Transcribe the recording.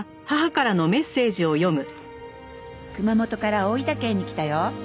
「熊本から大分県に来たよ」